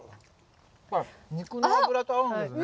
肉の脂と合うんだよね。